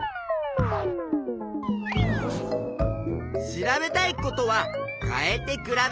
調べたいことは変えて比べる。